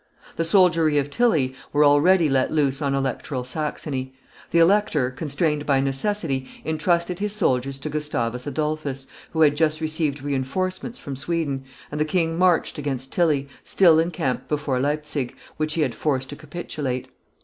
The soldiery of Tilly were already let loose on electoral Saxony; the elector, constrained by necessity, intrusted his soldiers to Gustavus Adolphus, who had just received re enforcements from Sweden, and the king marched against Tilly, still encamped before Leipzig, which he had forced to capitulate.